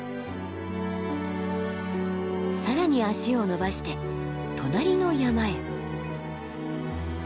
更に足をのばして隣の山へ。